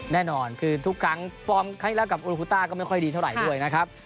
แน่นอนคือทุกครั้งฟอร์มครั้งที่แล้วกับโอลิฟูต้าก็ไม่ค่อยดีเท่าไหร่ด้วยนะครับ